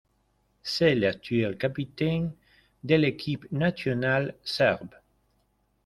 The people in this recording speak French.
C'est l'actuel capitaine de l'équipe nationale serbe.